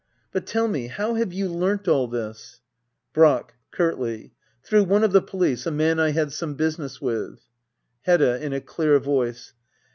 But tell me, how have you learnt all this ? Brack. [Curt/t/.] Through one of the police. A man I had some business with. Hedda. [In a clear voice.